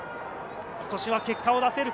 今年は結果を出せるか？